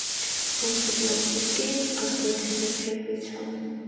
ამ ცხრა პლანეტას კი ასგარდის მეფეები იცავენ.